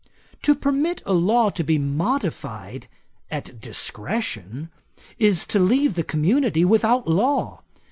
'To permit a law to be modified at discretion, is to leave the community without law.